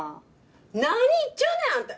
何言っちょるねあんた！